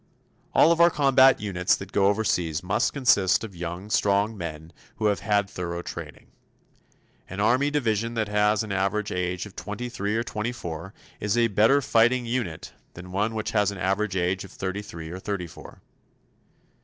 All of our combat units that go overseas must consist of young, strong men who have had thorough training. An Army division that has an average age of twenty three or twenty four is a better fighting unit than one which has an average age of thirty three or thirty four.